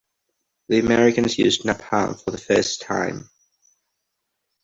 The Americans used napalm for the first time.